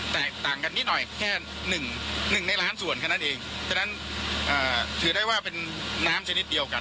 แตกต่างกันนิดหน่อยแค่หนึ่งหนึ่งในล้านส่วนแค่นั้นเองฉะนั้นถือได้ว่าเป็นน้ำชนิดเดียวกัน